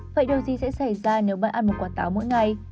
vậy điều gì sẽ xảy ra nếu bạn ăn một quả táo mỗi ngày